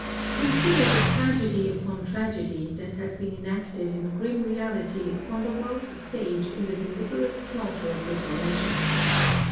Consider the tragedy upon tragedy that has been enacted in grim reality upon the world's stage in the deliberate slaughter of little nations.